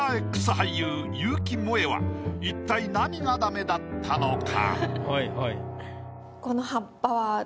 俳優結城モエは一体何がダメだったのか？